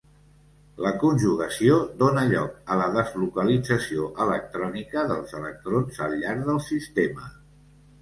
La conjugació dóna lloc a la deslocalització electrònica dels electrons al llarg del sistema.